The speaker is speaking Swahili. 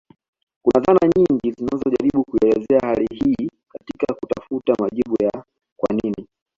Kuna dhana nyingi zinazojaribu kuielezea hali hii katika kutafuta majibu ya kwa nini